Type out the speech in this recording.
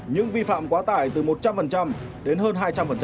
những vi phạm quá tải từ một trăm linh đến hơn hai trăm linh